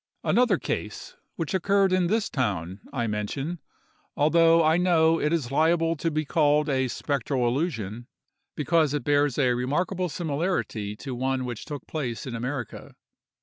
Another case, which occurred in this town, I mention—although I know it is liable to be called a spectral illusion—because it bears a remarkable similarity to one which took place in America.